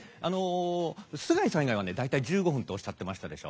須貝さんは大体１５分っておっしゃってましたでしょ。